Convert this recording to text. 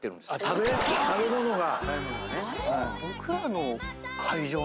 「食べ物が」